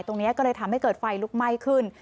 ตรงนี้ก็เลยทำให้เกิดไฟลุกไหม้ขึ้น